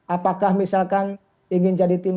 apakah misalkan ingin jadikan